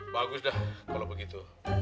bagus dah kalau begitu